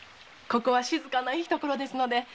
ここは静かないい所です。